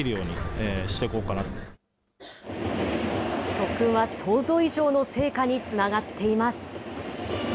特訓は想像以上の成果につながっています。